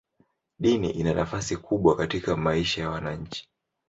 Dini ina nafasi kubwa katika maisha ya wananchi.